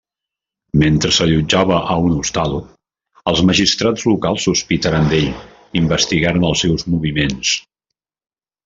Mentre s'allotjava a un hostal, els magistrats locals sospitaren d'ell i investigaren els seus moviments.